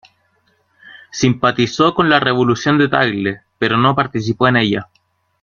Simpatizó con la revolución de Tagle, pero no participó en ella.